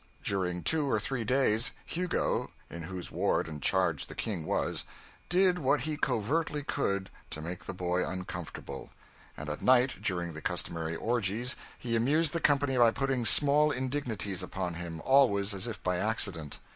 During two or three days, Hugo, in whose ward and charge the King was, did what he covertly could to make the boy uncomfortable; and at night, during the customary orgies, he amused the company by putting small indignities upon him always as if by accident.